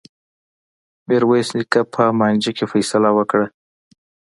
میرويس نیکه په مانجه کي فيصله وکړه.